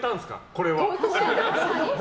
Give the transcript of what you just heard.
これは。